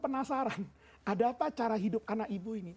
penasaran ada apa cara hidup anak ibu ini